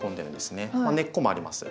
根っこもあります。